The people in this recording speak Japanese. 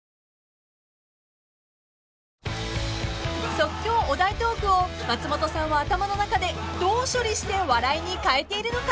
［即興お題トークを松本さんは頭の中でどう処理して笑いにかえているのか？］